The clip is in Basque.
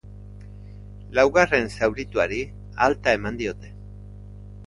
Laugarren zaurituari alta eman diote.